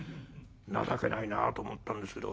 情けないなあと思ったんですけど。